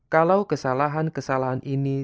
kalau kesalahan kesalahan ini